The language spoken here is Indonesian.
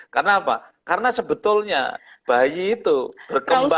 karena apa karena sebetulnya bayi itu berkembang itu